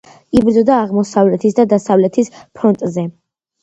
იბრძოდა აღმოსავლეთის და დასავლეთის ფრონტზე.